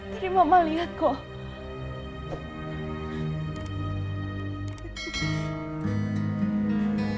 tadi mama lihat kok